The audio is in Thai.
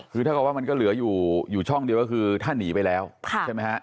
ก็คือถ้าบอกว่ามันเหลืออยู่ช่องเดียวก็คือถ้านี่ไปแล้วใช่มั้ยครับ